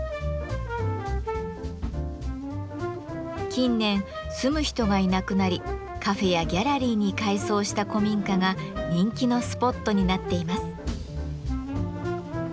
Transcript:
近年住む人がいなくなりカフェやギャラリーに改装した古民家が人気のスポットになっています。